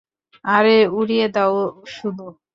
আরে, উড়িয়ে দাও শুধু!